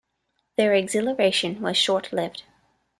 Their exhilaration was short-lived.